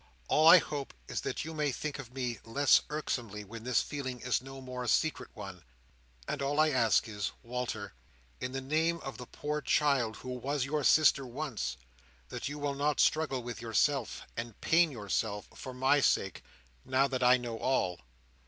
All I hope is that you may think of me less irksomely when this feeling is no more a secret one; and all I ask is, Walter, in the name of the poor child who was your sister once, that you will not struggle with yourself, and pain yourself, for my sake, now that I know all!"